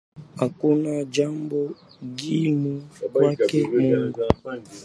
Hakuna jambo gumu kwake Mungu.